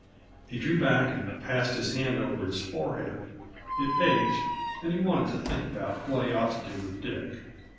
He drew back and passed his hand over his forehead; it ached, and he wanted to think about what he ought to do with Dick.